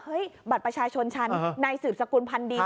บัตรประชาชนฉันนายสืบสกุลพันธ์ดี